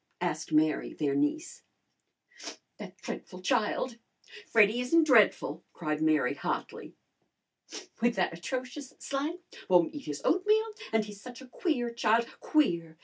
asked Mary, their niece. "That dreadful child!" "Freddy isn't dreadful!" cried Mary hotly. "With that atrocious slang! Won't eat his oatmeal! And he's such a queer child queer!